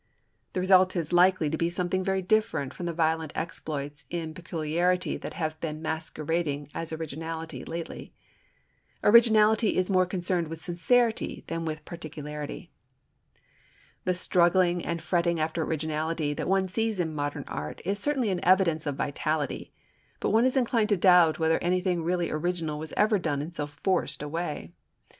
The result is likely to be something very different from the violent exploits in peculiarity that have been masquerading as originality lately. #Originality is more concerned with sincerity than with peculiarity.# The struggling and fretting after originality that one sees in modern art is certainly an evidence of vitality, but one is inclined to doubt whether anything really original was ever done in so forced a way.